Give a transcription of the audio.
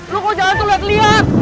lu kok jalan tuh liat liat